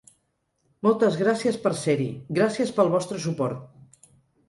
Moltes gràcies per ser-hi, gràcies pel vostre suport!